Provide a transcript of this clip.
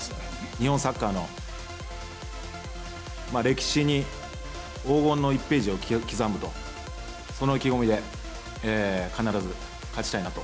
日本サッカーの歴史に黄金の１ページを刻むと、その意気込みで、必ず勝ちたいなと。